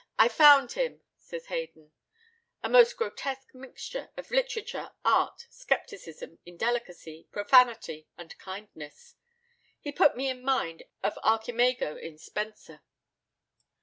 "I found him," says Haydon, "a most grotesque mixture of literature, art, scepticism, indelicacy, profanity, and kindness. He put me in mind of Archimago in Spenser."